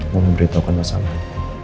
mau memberitahukan masalahnya